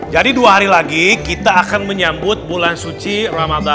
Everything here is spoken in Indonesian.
dua hari lagi kita akan menyambut bulan suci ramadan